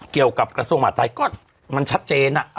เกี่ยวกับกระทรวงหมาตรไทยก็มันชัดเจนอ่ะ